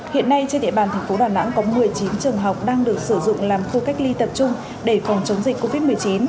hiện nay trên địa bàn thành phố đà nẵng có một mươi chín trường học đang được sử dụng làm khu cách ly tập trung để phòng chống dịch covid một mươi chín